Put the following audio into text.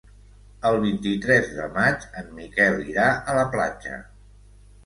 El vint-i-tres de maig en Miquel irà a la platja.